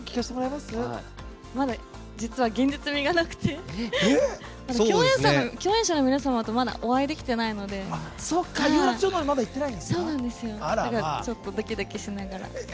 まだ実は現実味がなくて共演者の皆様とまだお会いできていないのでちょっと、ドキドキしながら。